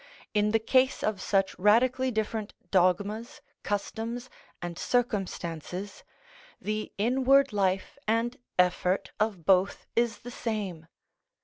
In the case of such radically different dogmas, customs, and circumstances, the inward life and effort of both is the same.